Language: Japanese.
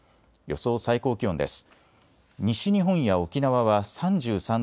予想最高気温です。